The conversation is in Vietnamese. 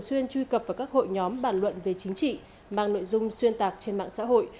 xuyên truy cập vào các hội nhóm bàn luận về chính trị mang nội dung xuyên tạc trên mạng xã hội